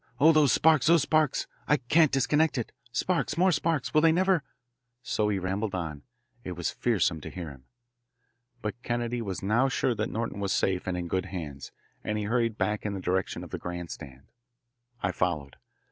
Oh, those sparks, those sparks! I can't disconnect it. Sparks, more sparks will they never " So he rambled on. It was fearsome to hear him. But Kennedy was now sure that Norton was safe and in good hands, and he hurried back in the direction of the grand stand. I followed.